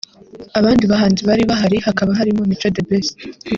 abandi bahanzi bari bahari hakaba harimo Mico The Best